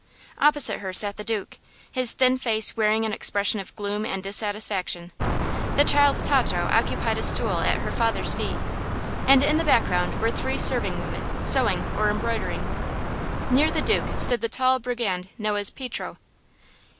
Opposite her sat the Duke, his thin face wearing an expression of gloom and dissatisfaction. The child Tato occupied a stool at her father's feet, and in the background were three serving women, sewing or embroidering. Near the Duke stood the tall brigand known as Pietro.